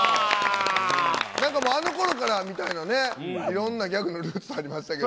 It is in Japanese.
なんかもうあのころからみたいなね、いろんなギャグのルーツありましたけど。